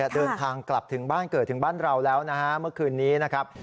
เดินทางกลับถึงบ้านเกิดถึงบ้านเราแล้วนะฮะเมื่อคืนนี้นะครับ